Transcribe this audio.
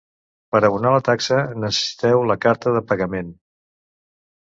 Per abonar la taxa, necessiteu la carta de pagament.